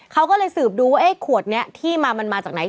เขาก็เลยสืบดูว่าขวดนี้ที่มามันมาจากไหน